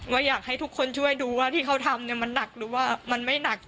ว่าอยากให้ทุกคนช่วยดูว่าที่เขาทำมันหนักหรือว่ามันไม่หนัก